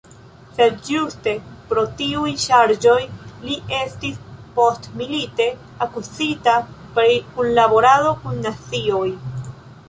Sed ĝuste pro tiuj ŝarĝoj li estis, postmilite, akuzita pri kunlaborado kun nazioj.